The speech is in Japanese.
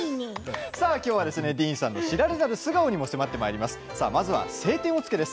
きょうはディーンさんの知られざる素顔にも迫っていきます。